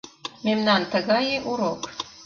«Мемнан тыгае урок